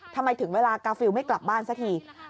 ทำไมถึงเวลากาฟิลไม่กลับบ้านซะที